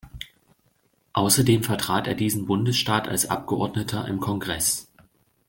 Außerdem vertrat er diesen Bundesstaat als Abgeordneter im Kongress.